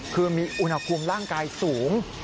คือมีอุณหภูมิร่างกายสูง